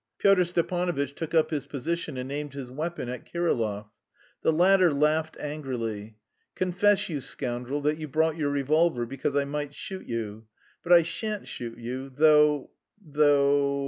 Pyotr Stepanovitch took up his position and aimed his weapon at Kirillov. The latter laughed angrily. "Confess, you scoundrel, that you brought your revolver because I might shoot you.... But I shan't shoot you... though... though..."